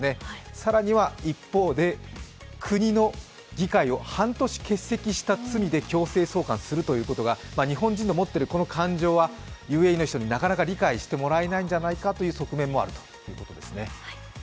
更には、一方で国の議会を半年欠席した罪で強制送還するということが日本の持っているこの感情はＵＡＥの人になかなか理解してもらえないんじゃないかという側面もあるということです。